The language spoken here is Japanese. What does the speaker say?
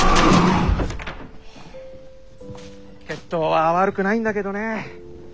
血統は悪くないんだけどね。